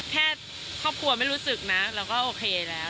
แค่ครอบครัวไม่รู้สึกนะเราก็โอเคแล้ว